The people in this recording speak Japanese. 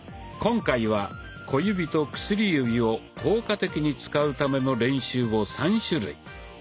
今回は小指と薬指を効果的に使うための練習を３種類。